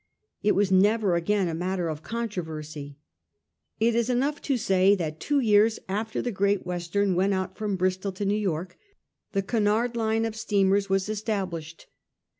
It was never again a matter of controversy. It is enough to say that two years after the Great Western went out from Bristol to New York the Cunard line of steamers was esta blished.